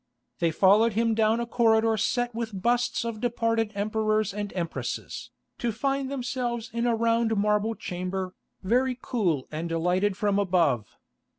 They followed him down a corridor set with busts of departed emperors and empresses, to find themselves in a round marble chamber, very cool and lighted from above.